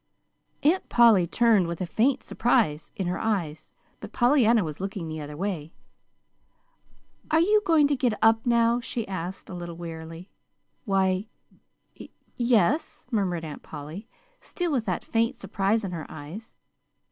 Aunt Polly turned with a faint surprise in her eyes; but Pollyanna was looking the other way. "Are you going to get up now?" she asked a little wearily. "Why, y yes," murmured Aunt Polly, still with that faint surprise in her eyes.